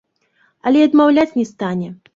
Але і адмаўляць не стане.